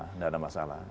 tidak ada masalah